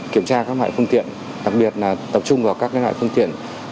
kiểm tra các loại phương tiện đặc biệt là tập trung vào các loại phương tiện